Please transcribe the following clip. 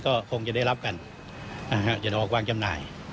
ก็คงจะได้รับกันจะได้ออกวางจำหน่าย